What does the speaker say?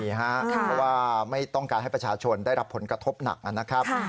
เพราะว่าไม่ต้องการให้ประชาชนได้รับผลกระทบหนักนะครับ